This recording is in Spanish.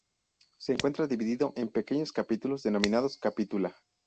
Se encuentra dividido en pequeños capítulos denominados "capitula".